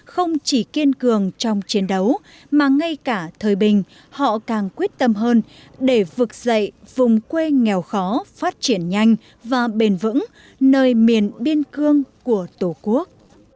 không chỉ kiên cường trong chiến đấu mà ngay cả thời bình họ càng quyết tâm hơn để vực dậy vùng quê nghèo khó phát triển nhanh và bền vững nơi miền biên cương của tổ quốc